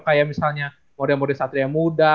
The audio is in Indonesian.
kayak misalnya modern modern satria muda